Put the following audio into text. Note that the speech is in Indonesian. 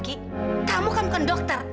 kamu bukan dokter